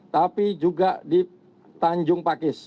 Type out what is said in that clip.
tapi juga di tanjung pakis